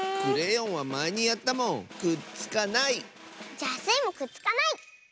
じゃあスイもくっつかない！